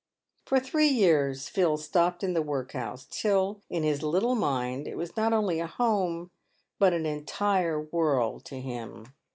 Eor three years Phil stopped in the workhouse, till, in his little j mind, it was not only a home but an entire world to him.